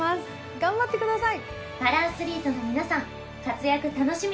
頑張ってください。